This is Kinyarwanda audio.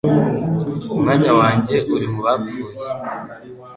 Umwanya wanjye uri mu bapfuye